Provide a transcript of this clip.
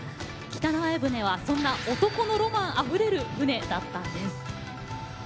北前船はそんな男のロマンあふれる船だったんです。